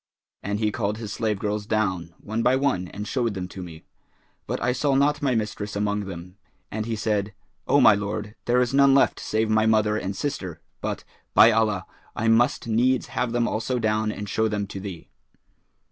And he called his slave girls down, one by one and showed them to me; but I saw not my mistress among them, and he said, 'O my lord, there is none left save my mother and sister; but, by Allah, I must needs have them also down and show them to thee.'